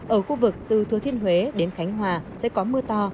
ở khu vực từ thừa thiên huế đến khánh hòa sẽ có mưa to